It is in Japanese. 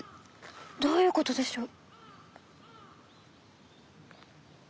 どういうことでしょう？